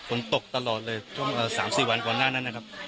ฝนตกตลอดเลยช่วง๓๔วันก่อนหน้านั้นนะครับ